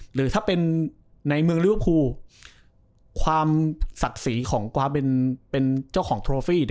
หรือถ้าเป็นในเมืองลิเวอร์พูลความศักดิ์ศรีของความเป็นเจ้าของโทรฟี่